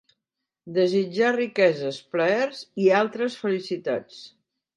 Desitjar riqueses, plaers i altres felicitats.